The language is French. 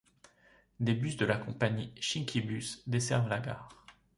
Des bus de la compagnie Shinki Bus desservent la gare.